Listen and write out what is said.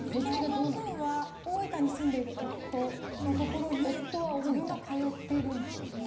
月の半分は大分に住んでいる夫の所に自分が通っているんですよ。